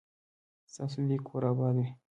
ستاسو دي کور اباد وي